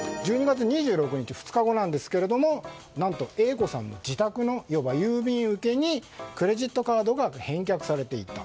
１２月２６日ですが何とＡ子さんの自宅の郵便受けにクレジットカードが返却されていた。